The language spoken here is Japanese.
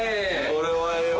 これはええわ。